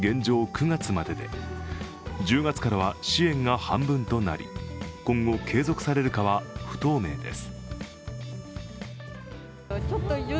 ９月までで、１０月からは支援が半分となり今後継続されるかは不透明です。